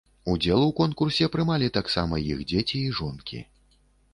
Удзел у конкурсе прымалі таксама іх дзеці і жонкі.